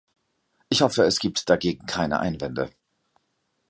Ich hoffe, es gibt dagegen keine Einwände.